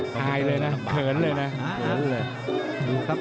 อายเลยนะเผินเลยนะ